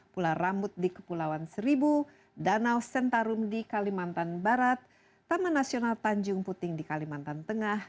pulau rambut di kepulauan seribu danau sentarum di kalimantan barat taman nasional tanjung puting di kalimantan tengah